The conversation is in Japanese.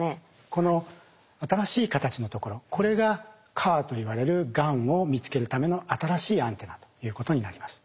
この新しい形のところこれが「ＣＡＲ」といわれるがんを見つけるための新しいアンテナということになります。